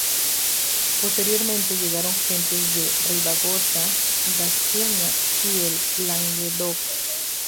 Posteriormente llegaron gentes de Ribagorza, Gascuña y el Languedoc.